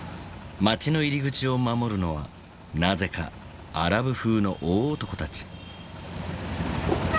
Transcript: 街の入り口を守るのはなぜかアラブ風の大男たち。